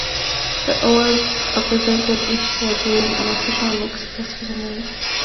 The awards are presented each year during an official ceremony in Mexico.